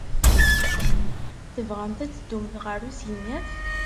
Tebɣamt ad teddumt ɣer usegnaf?